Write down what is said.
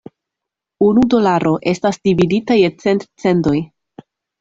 Unu dolaro estas dividita je cent "cendoj".